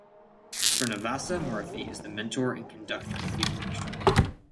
Srinivasa Murthy is the mentor and conductor for the orchestra.